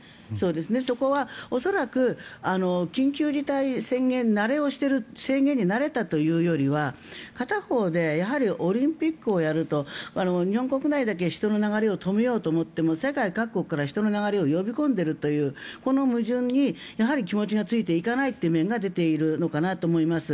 そこは恐らく緊急事態宣言慣れをしている制限に慣れたというよりは片方でオリンピックをやると日本国内だけ人の流れを止めようと思っても世界各国から人の流れを呼び込んでいるというこの矛盾にやはり気持ちがついていかないという面が出ているのかなと思います。